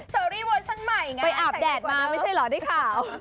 เชอรี่เวอร์ชั่นใหม่ไงไปอาบแดดมาไม่ใช่เหรอได้ข่าว